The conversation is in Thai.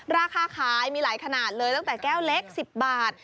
ราคาขายมีหลายขนาดเลยตั้งแต่แก้วเล็ก๑๐บาท